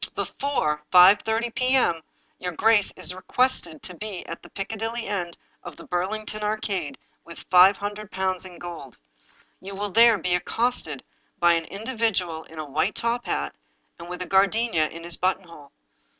" Before 5 130 p.m. your grace is requested to be at the Piccadilly end of the Burlington Arcade with five hundred pounds in gold. You will there be accosted by an in dividual in a v/hite top hat, and with a gardenia in his buttonhole.